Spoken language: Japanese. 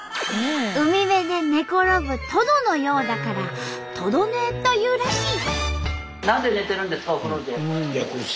海辺で寝転ぶトドのようだから「トド寝」というらしい。